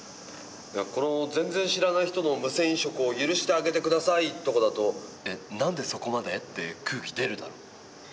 いやこの全然知らない人の無銭飲食を許してあげて下さいとかだと「え？何でそこまで？」って空気出るだろ。